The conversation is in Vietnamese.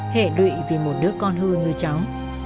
hệ lụy vì một đứa con hư như cháu